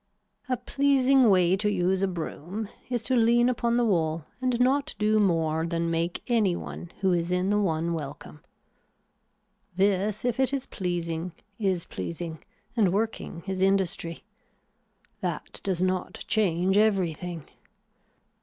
A pleasing way to use a broom is to lean upon the wall and not do more than make any one who is the one welcome. This if it is pleasing is pleasing and working is industry. That does not change everything.